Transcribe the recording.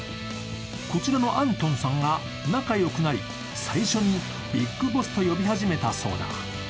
こちらのアントンさんが仲よくなり、最初にビッグボスと呼び始めたそうだ。